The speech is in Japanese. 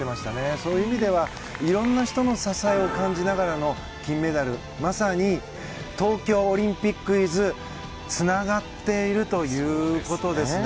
そういう意味ではいろんな人の支えを感じながらの金メダル、まさに東京オリンピックｉｓつながっているということですね。